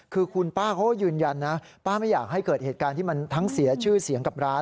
คือคุณป้าเขาก็ยืนยันนะป้าไม่อยากให้เกิดเหตุการณ์ที่มันทั้งเสียชื่อเสียงกับร้าน